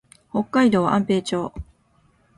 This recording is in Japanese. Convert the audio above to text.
北海道安平町